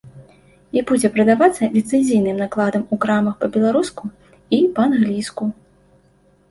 І будзе прадавацца ліцэнзійным накладам у крамах па-беларуску і па-англійску.